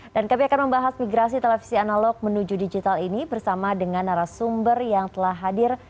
dan kami akan membahas migrasi televisi analog menuju digital ini bersama dengan arah sumber yang telah hadir